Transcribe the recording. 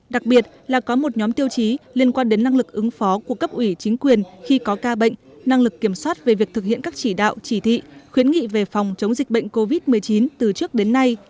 đặc biệt là có một nhóm tiêu chí liên quan đến năng lực ứng phó của cấp ủy chính quyền khi có ca bệnh năng lực kiểm soát về việc thực hiện các chỉ đạo chỉ thị khuyến nghị về phòng chống dịch bệnh covid một mươi chín từ trước đến nay